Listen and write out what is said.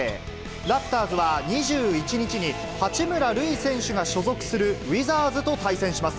ラプターズは２１日に、八村塁選手が所属するウィザーズと対戦します。